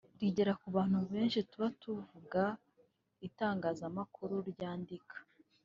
rigera ku bantu benshi (mass communication) tuba tuvuga Itangazamakuru ryandika